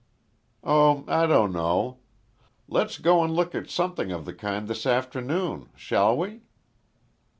"Oh, I don't know. Let's go and look at something of the kind this afternoon. Shall we?"